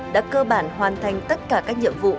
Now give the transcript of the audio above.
đã cơ bản hoàn thành tất cả các nhiệm vụ